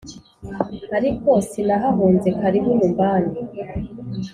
ariko sinahahunze, karibu nyumbani